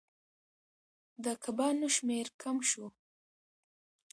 د کبانو شمیر کم شو.